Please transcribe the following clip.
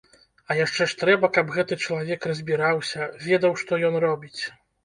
А яшчэ ж трэба, каб гэты чалавек разбіраўся, ведаў, што ён робіць.